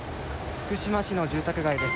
福島市の住宅街です。